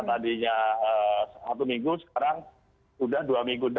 tadinya satu minggu sekarang sudah dua minggu